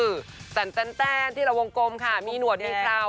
คือแตนที่เราวงกลมค่ะมีหนวดมีคราว